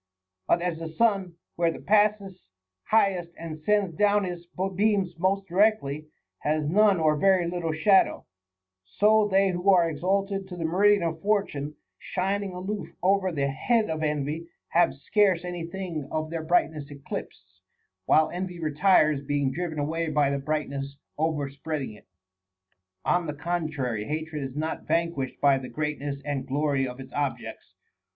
But as the sun, where he passes highest and sends down his beams most directly, has none or very little shadow, so they who are exalted to the meri dian of fortune, shining aloof over the head of envy, have scarce any thing of their brightness eclipsed, while envy retires, being driven away by the brightness overspread ing it. On the contrary, hatred is not vanquished by the great ness and glory of its objects.